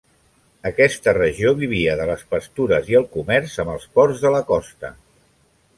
Aquesta regió vivia de les pastures i el comerç amb els ports de la costa.